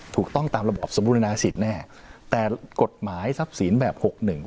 ถูกต้องตามระบอบสมบูรณาสิทธิแน่แต่กฎหมายทรัพย์สินแบบหกหนึ่ง